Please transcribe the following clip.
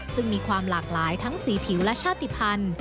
ซึ่งมีความหลากหลายทั้งสีผิวและชาติภัณฑ์